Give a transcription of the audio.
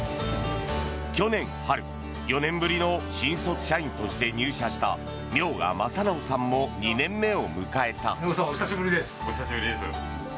去年春、４年ぶりの新卒社員として入社した明賀雅直さんも２年目を迎えた。